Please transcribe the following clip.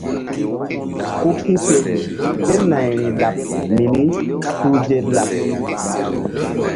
Ku ki̧feri kénayri laɓ mini suhze laɓ.